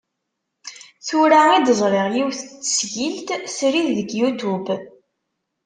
Tura i d-ẓriɣ yiwet n tesgilt srid deg Youtube.